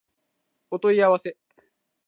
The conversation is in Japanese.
お問い合わせ